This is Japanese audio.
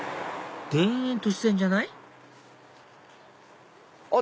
田園都市線じゃないあっ